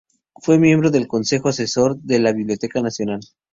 Fue miembro del Consejo Asesor de la Biblioteca Nacional.